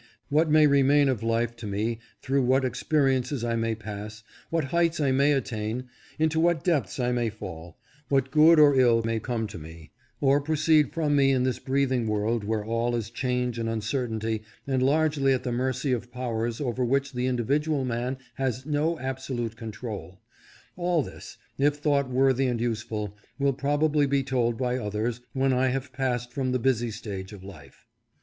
What may remain of life to me, through what experiences I may pass, what heights I may attain, into what depths I may fall, what good or ill may come to me, or proceed from me in this breathing world where all is change and uncertainty and largely at the mercy of powers over which the indi vidual man has no absolute control ; all this, if thought worthy and useful, will probably be told by others when I SUCCESS THE RESULT OP EFFORT. 581 have passed from the busy stage of life.